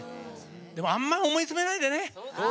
でも、あんまり思い詰めないでね。